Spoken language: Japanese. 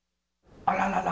あららら。